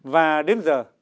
và đến giờ